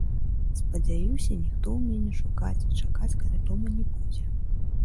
Спадзяюся, ніхто мяне шукаць і чакаць каля дома не будзе.